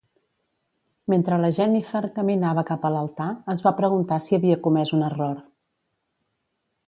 Mentre la Jennifer caminava cap a l'altar, es va preguntar si havia comès un error.